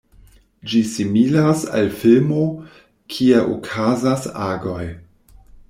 Ĝi similas al filmo, kie okazas agoj.